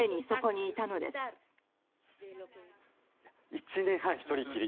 １年半、１人きり。